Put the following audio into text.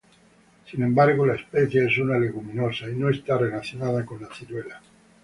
Sin embargo, la especie es una leguminosa y no está relacionada con la ciruela.